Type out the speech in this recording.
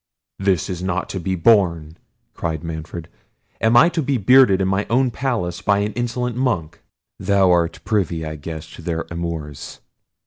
"This is not to be borne!" cried Manfred. "Am I to be bearded in my own palace by an insolent Monk? Thou art privy, I guess, to their amours."